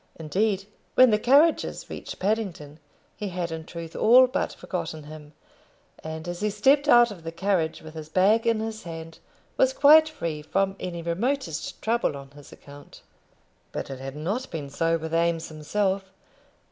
Indeed, when the carriages reached Paddington, he had in truth all but forgotten him; and as he stepped out of the carriage, with his bag in his hand, was quite free from any remotest trouble on his account. But it had not been so with Eames himself.